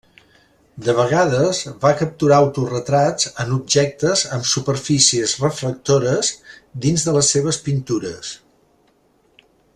De vegades, va capturar autoretrats en objectes amb superfícies reflectores dins de les seves pintures.